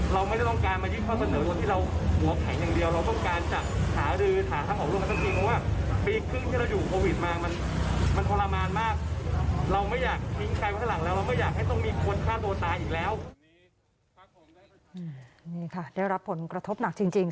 เราไม่อยากให้ต้องมีคนฆ่าตัวตายอีกแล้วนี่ค่ะได้รับผลกระทบหนักจริงจริง